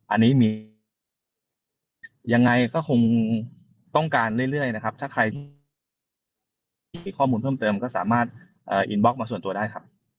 อันนี้มียังไงก็คงต้องการเรื่อยนะครับถ้าใครมีข้อมูลเพิ่มเติมก็สามารถอินบล็อกมาส่วนตัวได้ครับ